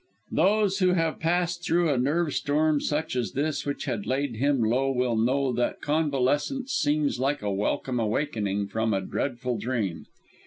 Those who have passed through a nerve storm such as this which had laid him low will know that convalescence seems like a welcome awakening from a dreadful dream.